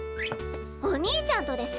お兄ちゃんとです！